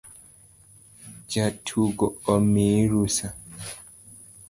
Jotugo omii rusa